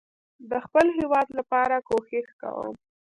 ده خپل هيواد لپاره کوښښ کوم